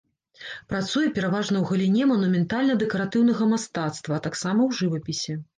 Працуе пераважна ў галіне манументальна-дэкаратыўнага мастацтва, а таксама ў жывапісе.